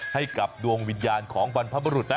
ให้กับดวงวิญญาณของบรรพบรุษนะ